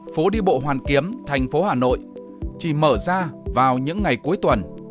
phố đi bộ hoàn kiếm thành phố hà nội chỉ mở ra vào những ngày cuối tuần